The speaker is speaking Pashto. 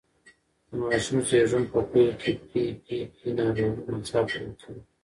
د ماشوم زېږون په پیل کې پي پي پي ناروغي ناڅاپي پیل کوي.